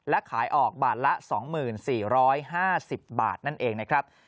และขายออกบาทละ๒๔๕๐บาทนั่นเองนะครับ